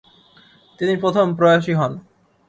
তিনি প্রথম প্রয়াসী হন।